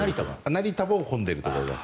成田も混んでいると思います。